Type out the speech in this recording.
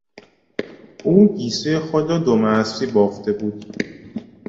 او گیسوی خود را دم اسبی بافته بود.